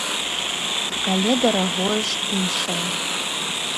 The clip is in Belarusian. Але дарагое ж іншае.